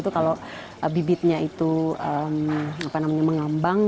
kalau bibitnya mengambang